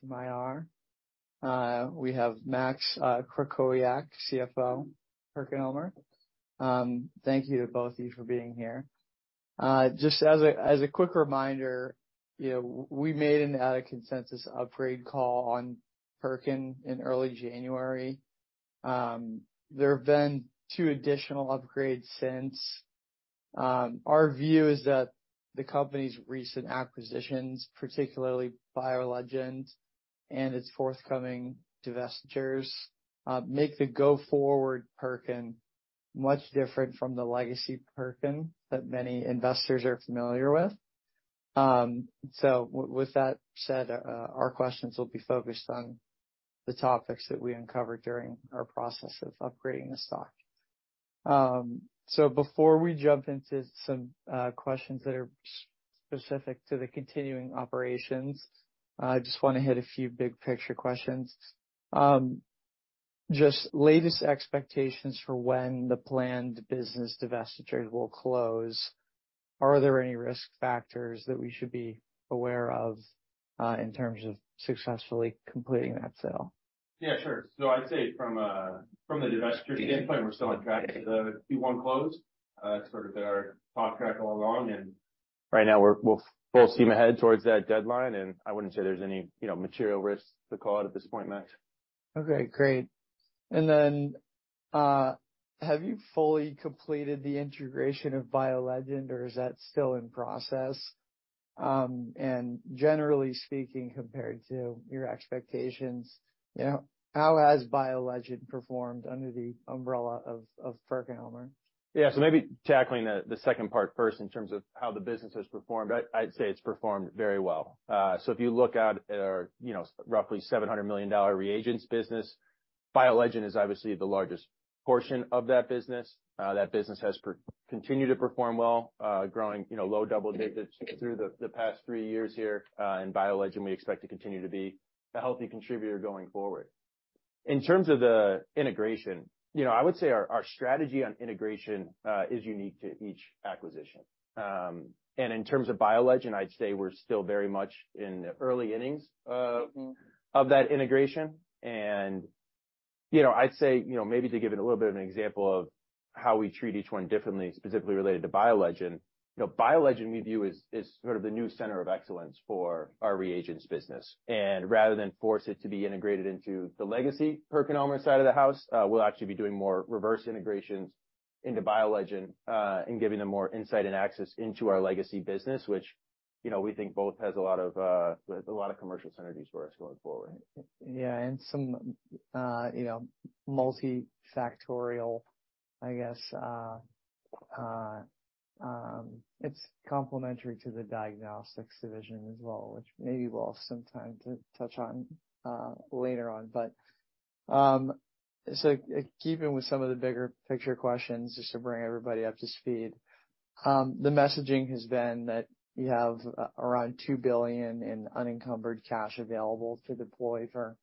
From IR. We have Max Krakowiak, CFO, PerkinElmer. Thank you to both of you for being here. Just as a quick reminder, you know, we made an out of consensus upgrade call on Perkin in early January. There have been two additional upgrades since. Our view is that the company's recent acquisitions, particularly BioLegend and its forthcoming divestitures, make the go forward Perkin much different from the legacy Perkin that many investors are familiar with. With that said, our questions will be focused on the topics that we uncovered during our process of upgrading the stock. Before we jump into some questions that are specific to the continuing operations, I just wanna hit a few big picture questions. Just latest expectations for when the planned business divestiture will close. Are there any risk factors that we should be aware of, in terms of successfully completing that sale? Yeah, sure. I'd say from the divestiture standpoint, we're still on track to the Q1 close. It's sort of been our contract all along. Right now we're full steam ahead towards that deadline. I wouldn't say there's any, you know, material risk to call out at this point, Max. Okay, great. Have you fully completed the integration of BioLegend, or is that still in process? Generally speaking, compared to your expectations, you know, how has BioLegend performed under the umbrella of PerkinElmer? Maybe tackling the second part first in terms of how the business has performed. I'd say it's performed very well. If you look at our, you know, roughly $700 million reagents business, BioLegend is obviously the largest portion of that business. That business has continued to perform well, growing, you know, low double digits through the past three years here. BioLegend, we expect to continue to be a healthy contributor going forward. In terms of the integration, you know, I would say our strategy on integration is unique to each acquisition. In terms of BioLegend, I'd say we're still very much in the early innings. Mm-hmm. -of that integration. You know, I'd say, you know, maybe to give it a little bit of an example of how we treat each one differently, specifically related to BioLegend. You know, BioLegend we view as sort of the new center of excellence for our reagents business and rather than force it to be integrated into the legacy PerkinElmer side of the house, we'll actually be doing more reverse integrations into BioLegend, and giving them more insight and access into our legacy business, which, you know, we think both has a lot of commercial synergies for us going forward. Yeah. Some, you know, multifactorial, I guess, it's complimentary to the diagnostics division as well, which maybe we'll have some time to touch on later on. Keeping with some of the bigger picture questions, just to bring everybody up to speed, the messaging has been that you have around $2 billion in unencumbered cash available to deploy for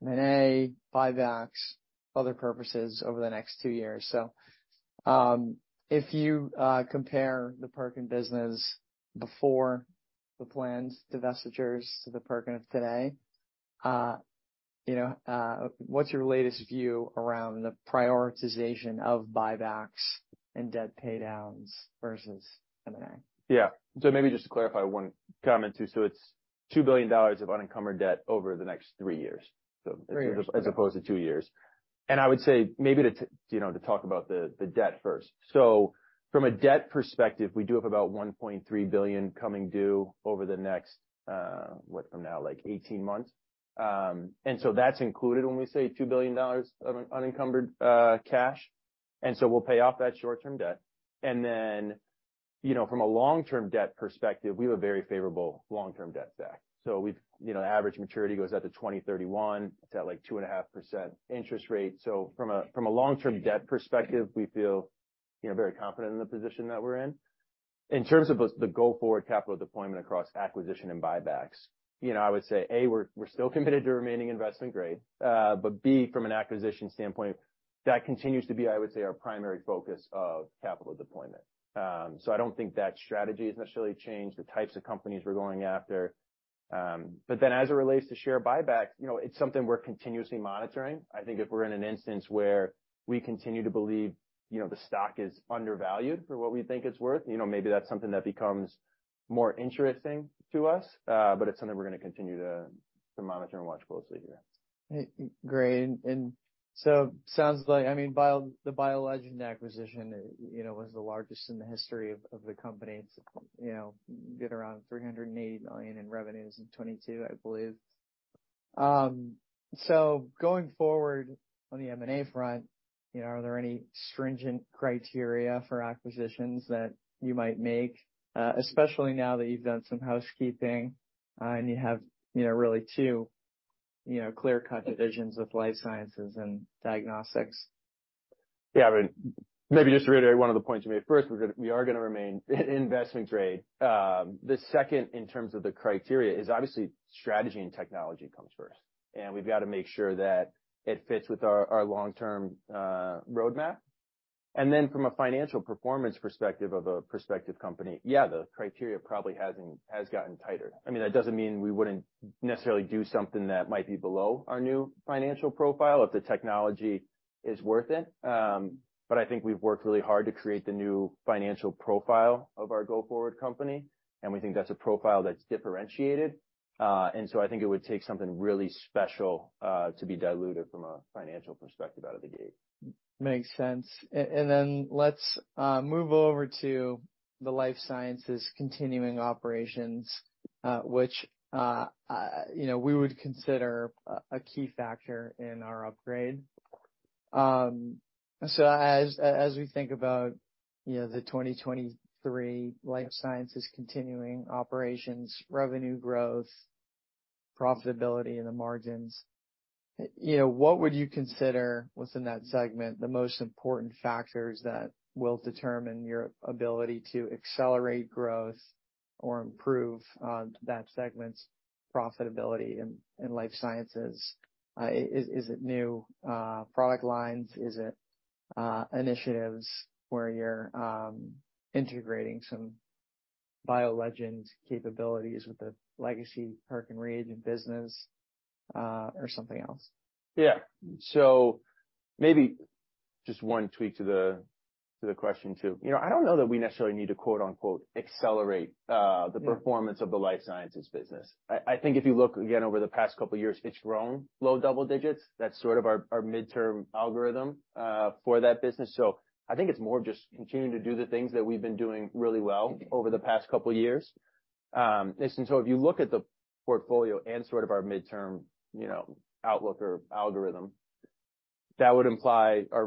M&A, buybacks, other purposes over the next 2 years. If you, compare the PerkinElmer business before the planned divestitures to the PerkinElmer of today, you know, what's your latest view around the prioritization of buybacks and debt paydowns versus M&A? Yeah. maybe just to clarify 1 comment too. it's $2 billion of unencumbered debt over the next 3 years. Three years. As opposed to two years. I would say maybe to, you know, to talk about the debt first. From a debt perspective, we do have about $1.3 billion coming due over the next, what from now, like 18 months. That's included when we say $2 billion of unencumbered cash. We'll pay off that short-term debt. You know, from a long-term debt perspective, we have a very favorable long-term debt stack. We've, you know, average maturity goes out to 2031. It's at like 2.5% interest rate. From a long-term debt perspective, we feel, you know, very confident in the position that we're in. In terms of this the go forward capital deployment across acquisition and buybacks, you know, I would say, A, we're still committed to remaining investment grade but B, from an acquisition standpoint, that continues to be, I would say, our primary focus of capital deployment. So I don't think that strategy has necessarily changed the types of companies we're going after. But then as it relates to share buyback, you know, it's something we're continuously monitoring. I think if we're in an instance where we continue to believe, you know, the stock is undervalued for what we think it's worth, you know, maybe that's something that becomes more interesting to us. It's something we're gonna continue to monitor and watch closely here. Great. Sounds like, I mean, the BioLegend acquisition, you know, was the largest in the history of the company to, you know, get around $380 million in revenues in 2022, I believe. So going forward on the M&A front, you know, are there any stringent criteria for acquisitions that you might make? Especially now that you've done some housekeeping, and you have, you know, really two, you know, clear-cut divisions with life sciences and diagnostics. Yeah. I mean, maybe just to reiterate one of the points you made first. We are going to remain investment grade. The second in terms of the criteria is obviously strategy and technology comes first, and we've got to make sure that it fits with our long-term roadmap. From a financial performance perspective of a prospective company, yeah, the criteria probably has gotten tighter. I mean, that doesn't mean we wouldn't necessarily do something that might be below our new financial profile if the technology is worth it. But I think we've worked really hard to create the new financial profile of our go-forward company, and we think that's a profile that's differentiated. I think it would take something really special to be diluted from a financial perspective out of the gate. Makes sense. Then let's move over to the Life Sciences continuing operations, which, you know, we would consider a key factor in our upgrade. As we think about, you know, the 2023 Life Sciences continuing operations revenue growth, profitability and the margins, you know, what would you consider, within that segment, the most important factors that will determine your ability to accelerate growth or improve that segment's profitability in Life Sciences? Is it new product lines? Is it initiatives where you're integrating some BioLegend capabilities with the legacy PerkinElmer business, or something else? Yeah. So, maybe just one tweak to the, to the question too. You know, I don't know that we necessarily need to quote-unquote, accelerate. Yeah The performance of the Life Sciences business. I think if you look again over the past couple of years, it's grown low double digits. That's sort of our midterm algorithm for that business. I think it's more of just continuing to do the things that we've been doing really well over the past couple of years. If you look at the portfolio and sort of our midterm, you know, outlook or algorithm, that would imply our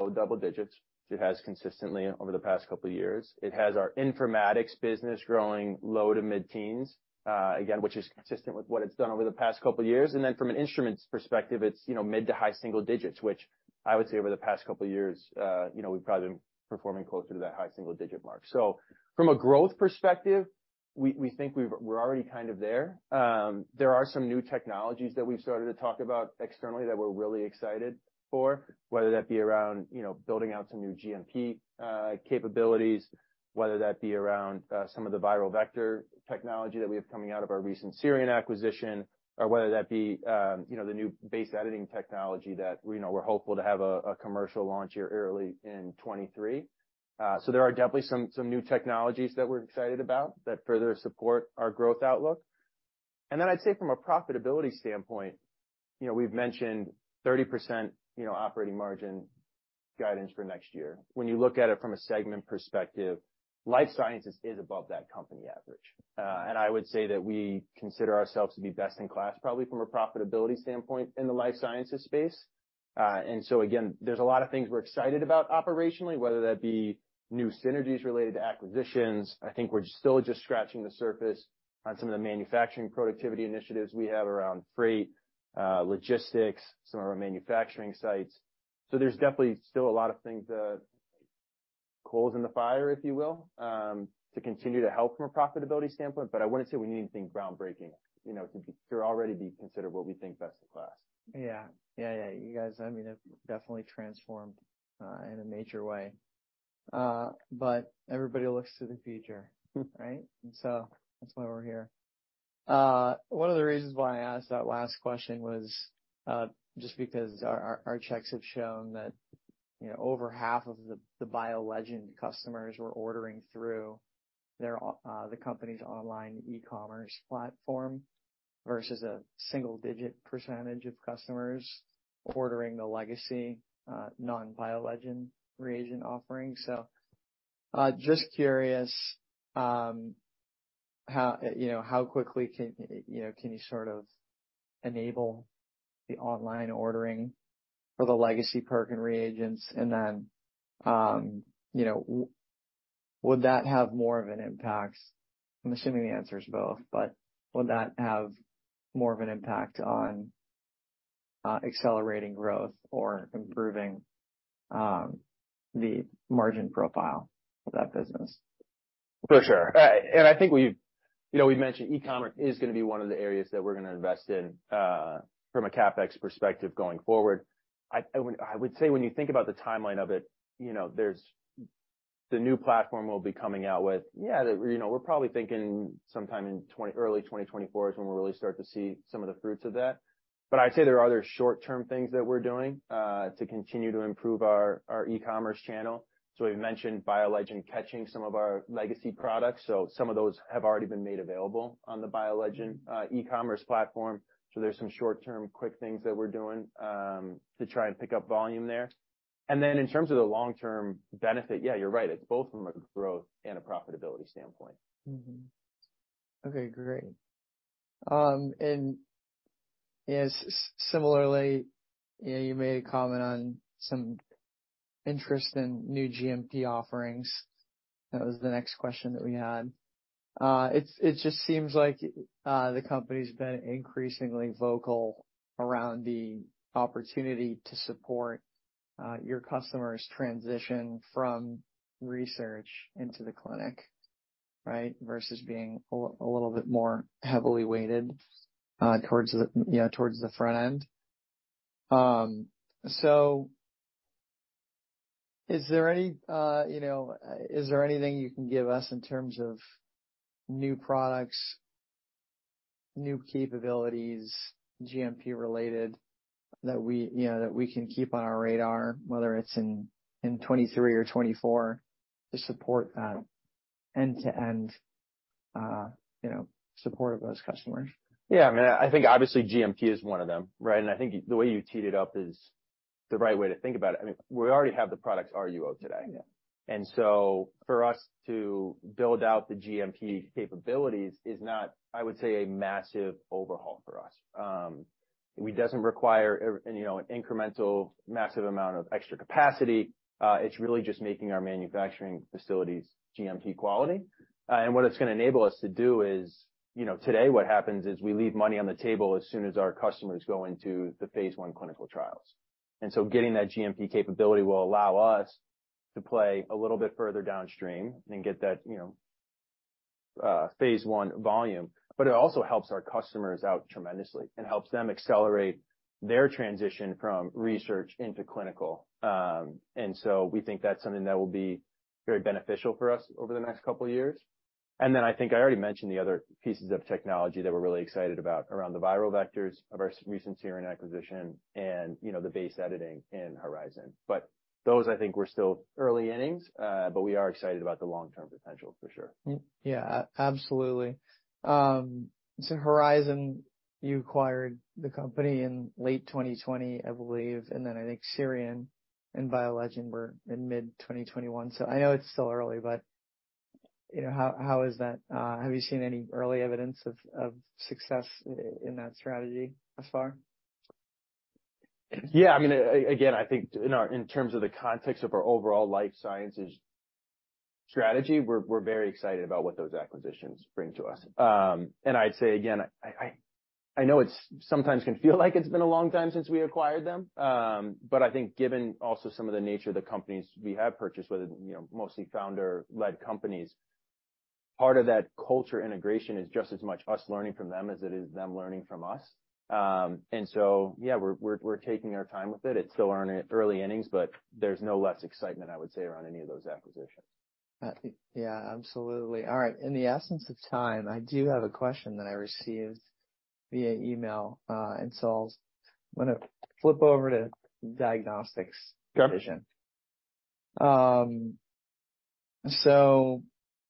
low double digits. It has consistently over the past couple of years. It has our informatics business growing low to mid-teens, again, which is consistent with what it's done over the past couple of years. From an instruments perspective, it's, you know, mid to high single digits, which I would say over the past couple of years, you know, we've probably been performing closer to that high single digit mark. So, from a growth perspective, we think we're already kind of there. There are some new technologies that we've started to talk about externally that we're really excited for, whether that be around, you know, building out some new GMP capabilities, whether that be around some of the viral vector technology that we have coming out of our recent Sirion acquisition, or whether that be, you know, the new base editing technology that, you know, we're hopeful to have a commercial launch here early in 23. There are definitely some new technologies that we're excited about that further support our growth outlook. I'd say from a profitability standpoint, you know, we've mentioned 30%, you know, operating margin guidance for next year. When you look at it from a segment perspective, Life Sciences is above that company average. I would say that we consider ourselves to be best in class, probably from a profitability standpoint in the life sciences space. Again, there's a lot of things we're excited about operationally, whether that be new synergies related to acquisitions. I think we're still just scratching the surface on some of the manufacturing productivity initiatives we have around freight, logistics, some of our manufacturing sites. There's definitely still a lot of things, coals in the fire, if you will, to continue to help from a profitability standpoint. I wouldn't say we need anything groundbreaking, you know, to already be considered what we think best in class. Yeah. Yeah, yeah. You guys, I mean, have definitely transformed in a major way. But everybody looks to the future, right? That's why we're here. One of the reasons why I asked that last question was just because our, our checks have shown that, you know, over half of the BioLegend customers were ordering through their the company's online e-commerce platform versus a single-digit percentage of customers ordering the legacy non-BioLegend reagent offering. Just curious, how, you know, how quickly can, you know, can you sort of enable the online ordering for the legacy Perkin Reagents? You know, would that have more of an impact... I'm assuming the answer is both, but would that have more of an impact on accelerating growth or improving the margin profile of that business? For sure. you know, we've mentioned e-commerce is gonna be one of the areas that we're gonna invest in from a CapEx perspective going forward. I would say when you think about the timeline of it, you know, there's the new platform we'll be coming out with. Yeah, you know, we're probably thinking sometime in early 2024 is when we'll really start to see some of the fruits of that. I'd say there are other short-term things that we're doing to continue to improve our e-commerce channel. We've mentioned BioLegend catching some of our legacy products, some of those have already been made available on the BioLegend e-commerce platform. There's some short-term quick things that we're doing to try and pick up volume there. In terms of the long-term benefit, yeah, you're right, it's both from a growth and a profitability standpoint. Okay, great. Yeah, similarly, you know, you made a comment on some interest in new GMP offerings. That was the next question that we had. It just seems like the company's been increasingly vocal around the opportunity to support your customers transition from research into the clinic, right? Versus being a little bit more heavily weighted towards the, you know, towards the front end. So, is there any, you know, is there anything you can give us in terms of new products, new capabilities, GMP related, that we, you know, that we can keep on our radar, whether it's in 2023 or 2024 to support that end-to-end, you know, support of those customers? Yeah. I mean, I think obviously GMP is one of them, right? I think the way you teed it up is the right way to think about it. I mean, we already have the products RUO today. Yeah. For us to build out the GMP capabilities is not, I would say, a massive overhaul for us. It doesn't require every, you know, an incremental massive amount of extra capacity. It's really just making our manufacturing facilities GMP quality. What it's gonna enable us to do is, you know, today what happens is we leave money on the table as soon as our customers go into the phase 1 clinical trials. Getting that GMP capability will allow us to play a little bit further downstream and get that, you know, phase 1 volume. It also helps our customers out tremendously and helps them accelerate their transition from research into clinical. We think that's something that will be very beneficial for us over the next couple of years. I think I already mentioned the other pieces of technology that we're really excited about around the viral vectors of our recent Sirion acquisition and, you know, the base editing in Horizon. But, those, I think, we're still early innings, but we are excited about the long-term potential for sure. Absolutely. Horizon, you acquired the company in late 2020, I believe, I think Sirion and BioLegend were in mid 2021. I know it's still early, but, you know, how is that? Have you seen any early evidence of success in that strategy thus far? Yeah. I mean, again, I think in terms of the context of our overall life sciences strategy, we're very excited about what those acquisitions bring to us. I'd say again, I know it's sometimes can feel like it's been a long time since we acquired them. I think given also some of the nature of the companies we have purchased, whether, you know, mostly founder-led companies, part of that culture integration is just as much us learning from them as it is them learning from us. Yeah, we're taking our time with it. It's still early innings, but there's no less excitement, I would say, around any of those acquisitions. Yeah, absolutely. All right. In the essence of time, I do have a question that I received via email. I'm gonna flip over to diagnostics division.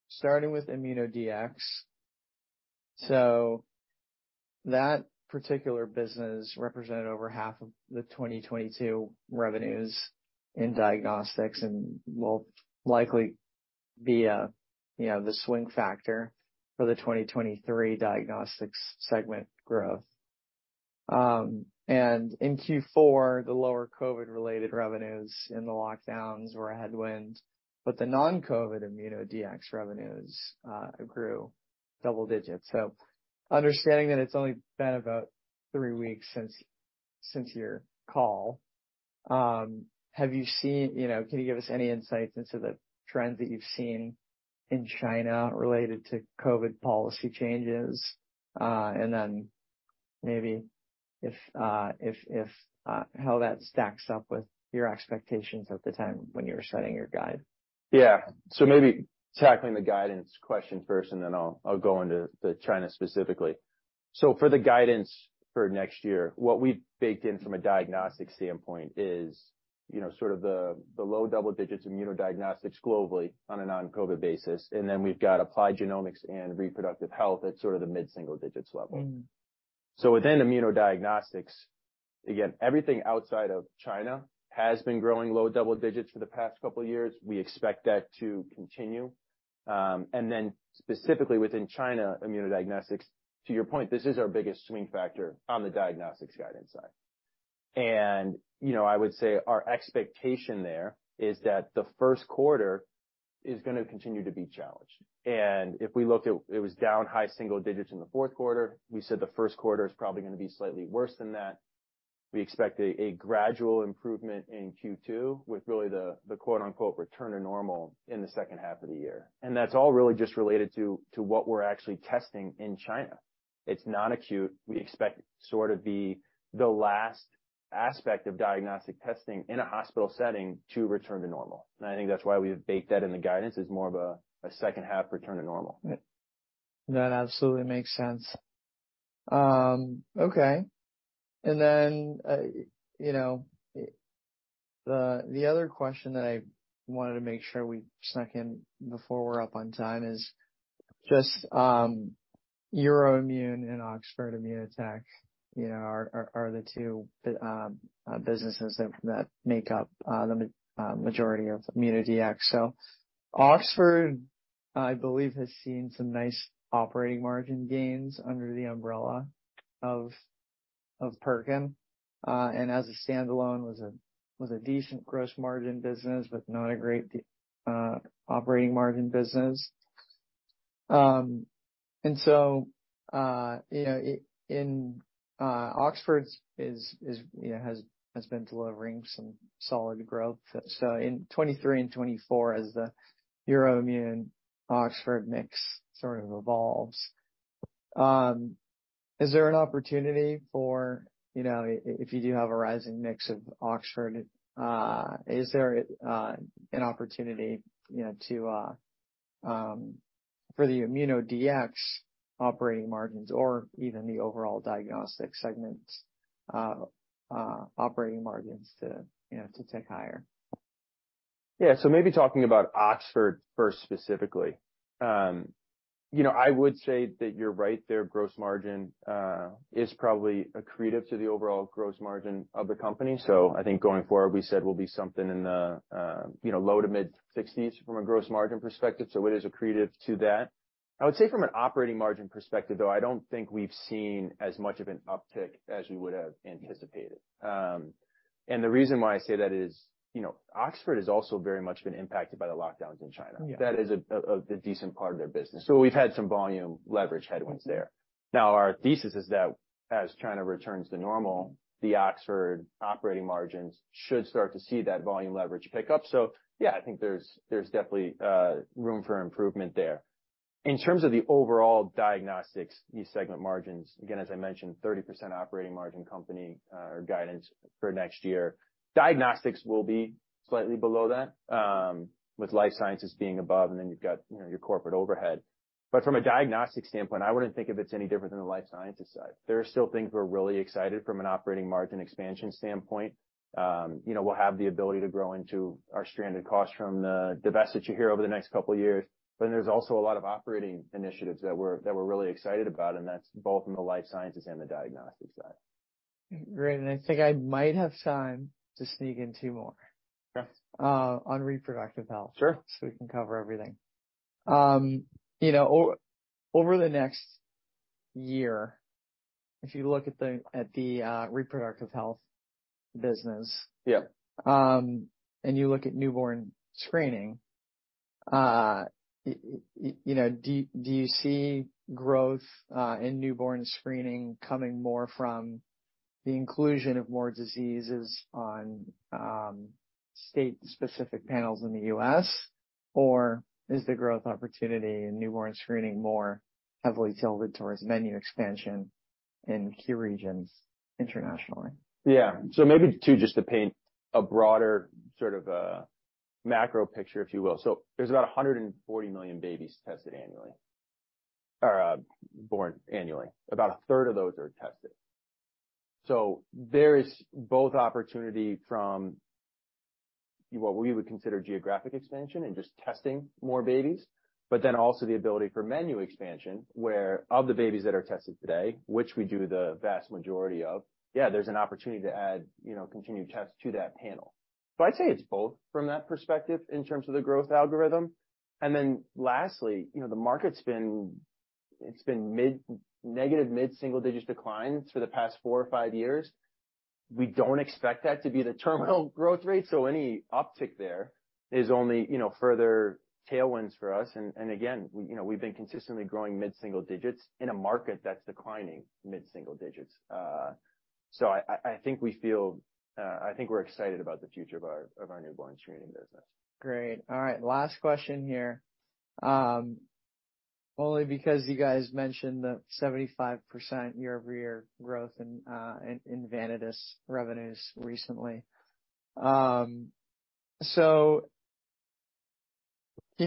Starting with Immunodiagnostics. That particular business represented over half of the 2022 revenues in diagnostics and will likely be, you know, the swing factor for the 2023 diagnostics segment growth. In Q4, the lower COVID-related revenues and the lockdowns were a headwind, but the non-COVID Immunodiagnostics revenues grew double digits. Understanding that it's only been about 3 weeks since your call, you know, can you give us any insights into the trends that you've seen in China related to COVID policy changes? Then maybe if, how that stacks up with your expectations at the time when you were setting your guide? Yeah. Maybe tackling the guidance question first, and then I'll go into the China specifically. For the guidance for next year, what we baked in from a diagnostic standpoint is, you know, sort of the low double digits Immunodiagnostics globally on a non-COVID basis. We've got applied genomics and reproductive health at sort of the mid-single digits level. Mm. Within Immunodiagnostics, again, everything outside of China has been growing low double digits for the past couple of years. We expect that to continue. Specifically within China Immunodiagnostics, to your point, this is our biggest swing factor on the diagnostics guidance side. You know, I would say our expectation there is that the first quarter is gonna continue to be challenged. It was down high single digits in the fourth quarter, we said the first quarter is probably gonna be slightly worse than that. We expect a gradual improvement in Q2 with really the quote-unquote, return to normal in the second half of the year. That's all really just related to what we're actually testing in China. It's non-acute. We expect sort of the last aspect of diagnostic testing in a hospital setting to return to normal. I think that's why we have baked that in the guidance as more of a second half return to normal. That absolutely makes sense. Okay. Then, you know, the other question that I wanted to make sure we snuck in before we're up on time is just EUROIMMUN and Oxford Immunotec, you know, are the two businesses that make up the majority of Immunodiagnostics. Oxford, I believe, has seen some nice operating margin gains under the umbrella of Perkin, and as a standalone was a, was a decent gross margin business with not a great operating margin business. You know, in Oxford's is, you know, has been delivering some solid growth. In 2023 and 2024 as the EUROIMMUN Oxford mix sort of evolves, is there an opportunity for, you know, if you do have a rising mix of Oxford, is there an opportunity, you know, to, for the Immunodiagnostics operating margins or even the overall diagnostic segment's operating margins to, you know, to tick higher? Maybe talking about Oxford first specifically. You know, I would say that you're right, their gross margin is probably accretive to the overall gross margin of the company. I think going forward, we said will be something in the, you know, low to mid-60s% from a gross margin perspective. It is accretive to that. I would say from an operating margin perspective, though, I don't think we've seen as much of an uptick as we would have anticipated. The reason why I say that is, you know, Oxford has also very much been impacted by the lockdowns in China. Yeah. That is a decent part of their business. We've had some volume leverage headwinds there. Our thesis is that as China returns to normal, the Oxford operating margins should start to see that volume leverage pick up. Yeah, I think there's definitely room for improvement there. In terms of the overall diagnostics, these segment margins, again, as I mentioned, 30% operating margin company or guidance for next year. Diagnostics will be slightly below that, with life sciences being above, and then you've got, you know, your corporate overhead. From a diagnostic standpoint, I wouldn't think of it's any different than the life sciences side. There are still things we're really excited from an operating margin expansion standpoint. You know, we'll have the ability to grow into our stranded costs from the divestiture over the next couple of years. There's also a lot of operating initiatives that we're, that we're really excited about, and that's both in the life sciences and the diagnostic side. Great. I think I might have time to sneak in 2 more. Okay. On reproductive health. Sure. we can cover everything. you know, over the next year, if you look at the, reproductive health business. Yeah You look at newborn screening, you know, you see growth in newborn screening coming more from the inclusion of more diseases on state-specific panels in the US? Or is the growth opportunity in newborn screening more heavily tilted towards menu expansion in key regions internationally? Yeah. Maybe two, just to paint a broader sort of a macro picture, if you will. There's about 140 million babies tested annually. Or, born annually. About a third of those are tested. There is both opportunity from what we would consider geographic expansion and just testing more babies, also the ability for menu expansion, where of the babies that are tested today, which we do the vast majority of, yeah, there's an opportunity to add, you know, continued tests to that panel. I'd say it's both from that perspective in terms of the growth algorithm. Lastly, you know, the market's been negative mid-single digits decline for the past four or five years. We don't expect that to be the terminal growth rate, so any uptick there is only, you know, further tailwinds for us. Again, you know, we've been consistently growing mid-single digits in a market that's declining mid-single digits. I think we feel, I think we're excited about the future of our newborn screening business. Great. All right, last question here. Only because you guys mentioned the 75% year-over-year growth in Vanadis revenues recently, can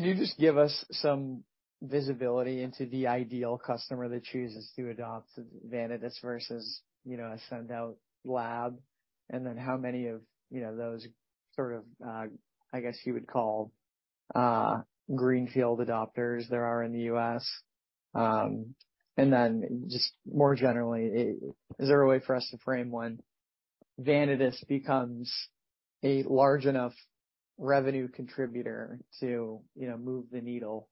you just give us some visibility into the ideal customer that chooses to adopt Vanadis versus, you know, a send-out lab? How many of, you know, those sort of, I guess you would call, greenfield adopters there are in the US? Just more generally, is there a way for us to frame when Vanadis becomes a large enough revenue contributor to, you know, move the needle,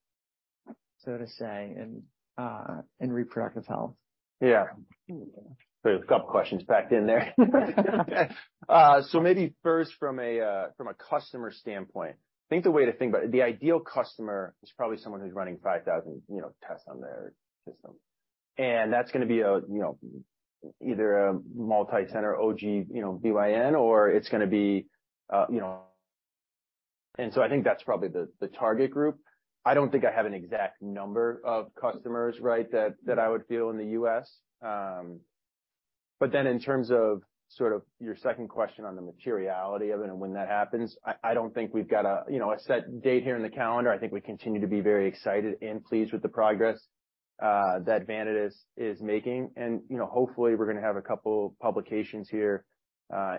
so to say, in reproductive health? There's a couple questions packed in there. Maybe first from a customer standpoint, I think the way to think about it, the ideal customer is probably someone who's running 5,000, you know, tests on their system. That's gonna be a, you know, either a multi-center OG, you know, BYN or it's gonna be, you know. I think that's probably the target group. I don't think I have an exact number of customers, right, that I would feel in the U.S. In terms of sort of your second question on the materiality of it and when that happens, I don't think we've got a, you know, a set date here in the calendar. I think we continue to be very excited and pleased with the progress that Vanadis is making. You know, hopefully we're gonna have a couple publications here,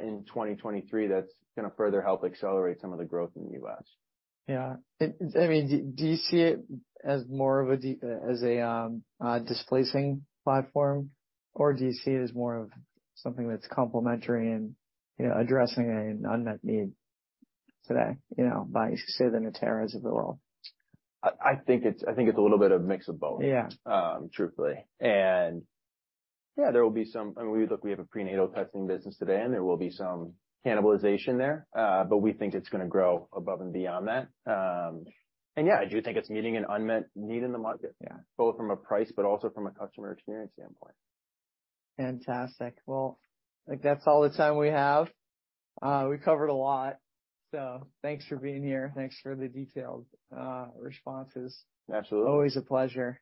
in 2023 that's gonna further help accelerate some of the growth in the U.S. Yeah. I mean, do you see it as more of a displacing platform? Or do you see it as more of something that's complementary and, you know, addressing an unmet need today, you know, by, say, the Natera of the world? I think it's a little bit of a mix of both. Yeah. Truthfully. Yeah, there will be some. I mean, look, we have a prenatal testing business today, and there will be some cannibalization there. We think it's gonna grow above and beyond that. Yeah, I do think it's meeting an unmet need in the market. Yeah. Both from a price, but also from a customer experience standpoint. Fantastic. Well, I think that's all the time we have. We covered a lot, so thanks for being here. Thanks for the detailed responses. Absolutely. Always a pleasure.